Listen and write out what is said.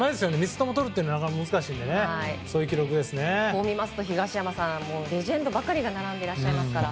３つともとるのは難しいのでこう見ますと、東山さんレジェンドばかりが並んでいらっしゃいますから。